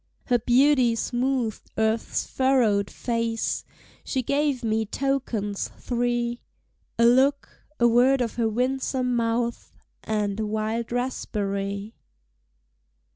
Her beauty smoothed earth's furrowed face! She gave me tokens three: A look, a word of her winsome mouth, And a wild raspberry.